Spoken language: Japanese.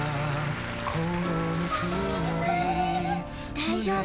大丈夫。